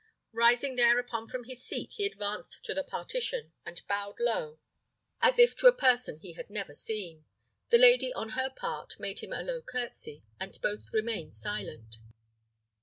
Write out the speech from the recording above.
Rising thereupon from his seat, he advanced to the partition, and bowed low, as if to a person he had never seen. The lady, on her part, made him a low curtsey, and both remained silent.